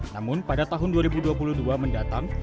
namun pada tahun dua ribu dua puluh dua mendatang